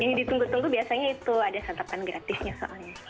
yang ditunggu tunggu biasanya itu ada santapan gratisnya soalnya